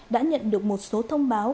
đã nhận được một số thông báo